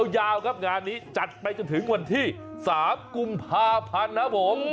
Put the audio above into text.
ยาวครับงานนี้จัดไปจนถึงวันที่๓กุมภาพันธ์นะครับผม